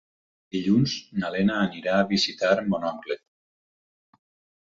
Dilluns na Lena anirà a visitar mon oncle.